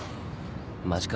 マジか。